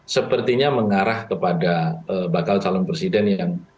sepertinya mengarah kepada bakal calon presiden yang